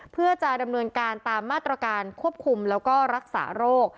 เพื่อจะดำเนินการตามมาตรการควบคุมแล้วก็รักษาโรค